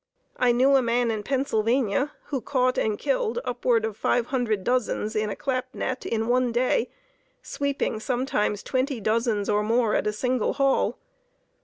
I knew a man in Pennsylvania, who caught and killed upward of five hundred dozens in a clap net in one day, sweeping sometimes twenty dozens or more at a single haul.